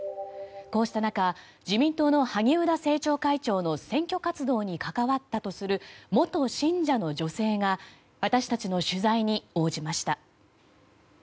こうした中自民党の萩生田政調会長の選挙活動に関わったとする元信者の女性が私たちの取材に応じました。